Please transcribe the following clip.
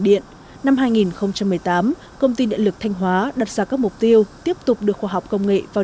điện năm hai nghìn một mươi tám công ty điện lực thanh hóa đặt ra các mục tiêu tiếp tục đưa khoa học công nghệ vào